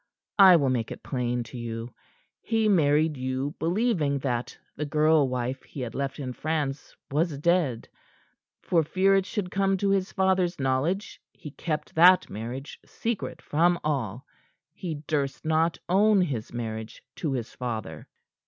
"I will make it plain to you. He married you believing that the girl wife he had left in France was dead. For fear it should come to his father's knowledge, he kept that marriage secret from all. He durst not own his marriage to his father."